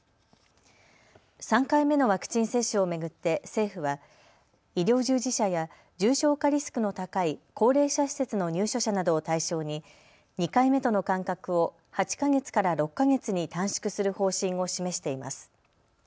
３回目のワクチン接種を巡って政府は医療従事者や重症化リスクの高い高齢者施設の入所者などを対象に２回目との間隔を８か月から６か月に短縮する方針を示しています。